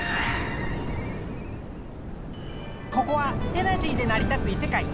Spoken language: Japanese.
ここはエナジーでなり立ついせかい。